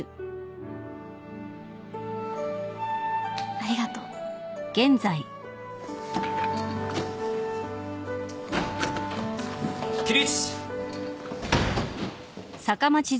ありがとう起立。